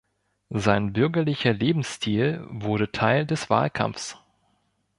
Sein bürgerlicher Lebensstil wurde Teil des Wahlkampfs.